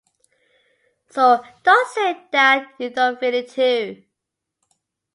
So don't say that you don't feel it too.